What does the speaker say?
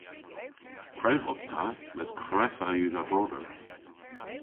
Krev os ta mes kreffa yw dha vroder.